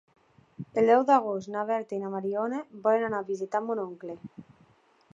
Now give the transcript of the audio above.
El deu d'agost na Berta i na Mariona volen anar a visitar mon oncle.